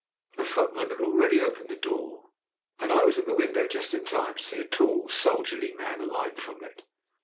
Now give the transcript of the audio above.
A footman had already opened the door, and I was at the window just in time to see a tall, soldierly man alight from it.